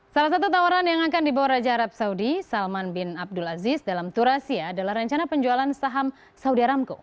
salah satu tawaran yang akan dibawa raja arab saudi salman bin abdul aziz dalam turasia adalah rencana penjualan saham saudi aramco